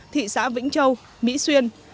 thị xã vĩnh châu mỹ xuyên